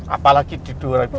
apalagi di dua ribu sembilan belas